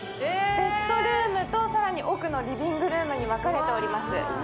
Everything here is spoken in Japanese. ベッドルームと更に奥のリビングルームに分かれております。